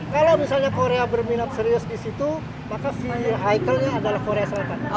kalau misalnya korea berminat serius di situ makalnya adalah korea selatan